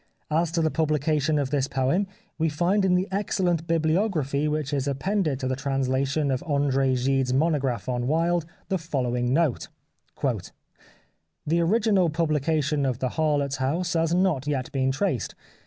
As to the pubhcation of this poem we find in the ex cellent bibliography which is appended to the translation of Andre Gide's monograph on Wilde the following note :—" The original publi cation of ' The Harlot's House ' has not yet been traced.